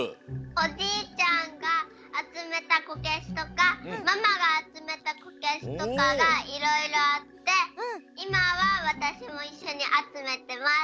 おじいちゃんがあつめたこけしとかママがあつめたこけしとかがいろいろあっていまはわたしもいっしょにあつめてます。